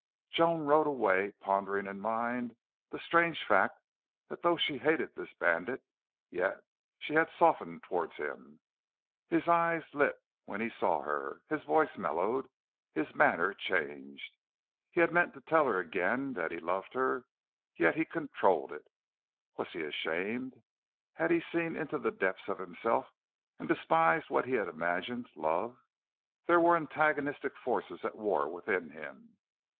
Joan rode away, pondering in mind the strange fact that though she hated this bandit, yet she had softened toward him. His eyes lit when he saw her; his voice mellowed; his manner changed. He had meant to tell her again that he loved her, yet he controlled it. Was he ashamed? Had he seen into the depths of himself and despised what he had imagined love? There were antagonistic forces at war within him.